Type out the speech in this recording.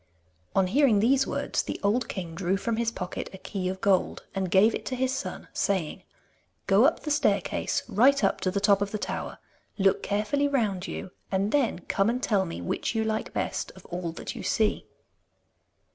On hearing these words the old king drew from his pocket a key of gold, and gave it to his son, saying: 'Go up the staircase, right up to the top of the tower. Look carefully round you, and then come and tell me which you like best of all that you see.